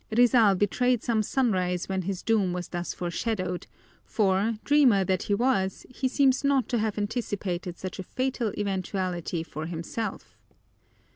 Rizal betrayed some sunrise when his doom was thus foreshadowed, for, dreamer that he was, he seems not to have anticipated such a fatal eventuality for himself.